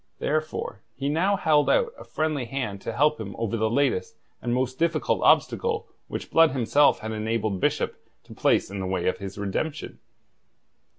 Therefore he now held out a friendly hand to help him over the latest and most difficult obstacle which Blood himself had enabled Bishop to place in the way of his redemption.